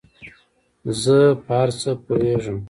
زۀ په هر څه پوهېږم